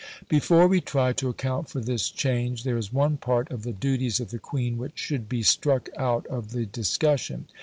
Before we try to account for this change, there is one part of the duties of the Queen which should be struck out of the discussion.